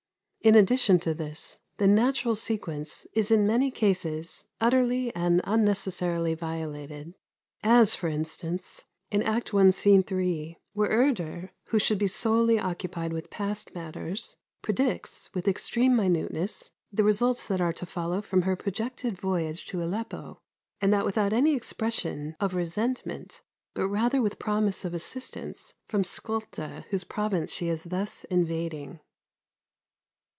In addition to this, the natural sequence is in many cases utterly and unnecessarily violated; as, for instance, in Act I. sc. iii., where Urda, who should be solely occupied with past matters, predicts, with extreme minuteness, the results that are to follow from her projected voyage to Aleppo, and that without any expression of resentment, but rather with promise of assistance, from Skulda, whose province she is thus invading.